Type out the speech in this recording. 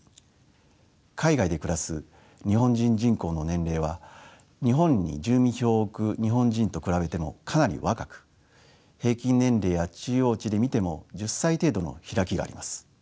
海外で暮らす日本人人口の年齢は日本に住民票を置く日本人と比べてもかなり若く平均年齢や中央値で見ても１０歳程度の開きがあります。